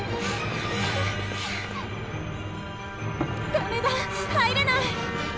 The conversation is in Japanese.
ダメだ入れない。